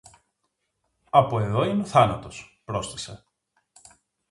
«Από δω είναι ο θάνατος», πρόσθεσε.